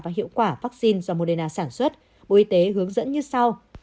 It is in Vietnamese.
và hiệu quả vaccine do moderna sản xuất bộ y tế hướng dẫn như sau